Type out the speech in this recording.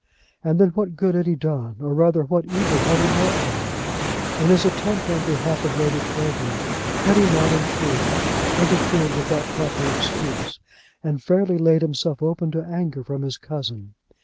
And then what good had he done; or rather what evil had he not done? In his attempt on behalf of Lady Clavering had he not, in truth, interfered without proper excuse, and fairly laid himself open to anger from his cousin?